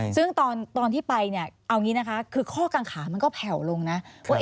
ซึ่งตอนที่ไปเนี่ยเอางี้นะคะคือข้อกังขามันก็แผ่วลงนะว่า